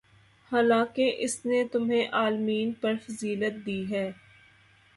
حالانکہ اس نے تمہیں عالمین پر فضیلت دی ہے